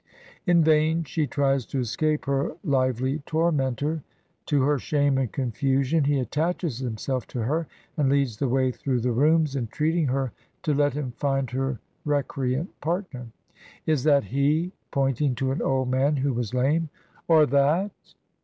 " In vain she tries to escape her lively tormentor; to her shame and confusion he attaches himself to her and leads the way through the rooms, entreating her to let him j&nd her recreant partner. "'Is that he?' pointing to an old man who was lame, 'or that?'